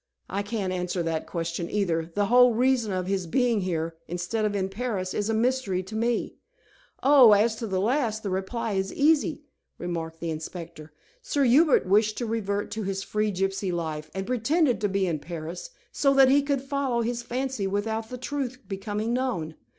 "I can't answer that question, either. The whole reason of his being here, instead of in Paris, is a mystery to me." "Oh, as to that last, the reply is easy," remarked the inspector. "Sir Hubert wished to revert to his free gypsy life, and pretended to be in Paris, so that he would follow his fancy without the truth becoming known.